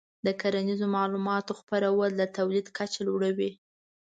د کرنیزو معلوماتو خپرول د تولید کچه لوړه کوي.